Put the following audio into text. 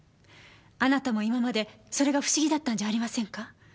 あなたも今までそれが不思議だったんじゃありませんか？